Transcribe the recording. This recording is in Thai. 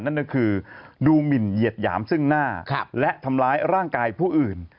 นั่นก็คือดูหมินเหยียดหยามซึ่งหน้าและทำร้ายร่างกายผู้อื่น